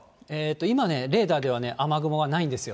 今ね、レーダーでは雨雲はないんですよ。